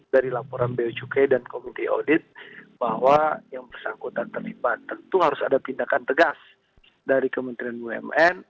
dari laporan beacukai dan komite audit bahwa yang bersangkutan terlibat tentu harus ada tindakan tegas dari kementerian bumn